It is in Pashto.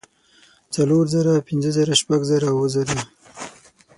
څلور زره پنځۀ زره شپږ زره اووه زره